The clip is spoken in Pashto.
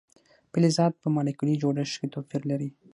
فلزات په مالیکولي جوړښت کې توپیر لري.